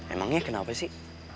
emangnya kenapa sih